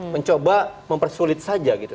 mencoba mempersulit saja gitu